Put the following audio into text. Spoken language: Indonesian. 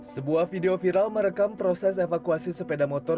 sebuah video viral merekam proses evakuasi sepeda motor